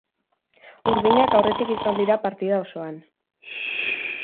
Urdinak aurretik izan dira partida osoan.